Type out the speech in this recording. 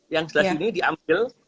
yang sebelah sini diambil